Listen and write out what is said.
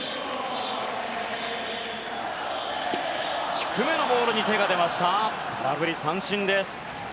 低めのボールに手が出て空振り三振です。